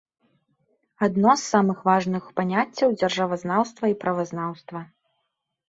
Адно з самых важных паняццяў дзяржавазнаўства і правазнаўства.